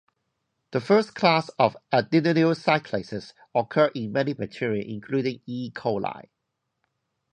The first class of adenylyl cyclases occur in many bacteria including "E. coli".